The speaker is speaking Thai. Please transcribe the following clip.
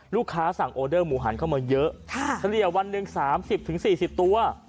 ลูกค้าสั่งออเดอร์หมูหันเข้ามาเยอะค่ะเฉลี่ยวันหนึ่งสามสิบถึงสี่สิบตัว